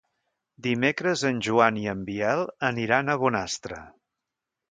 Dimecres en Joan i en Biel aniran a Bonastre.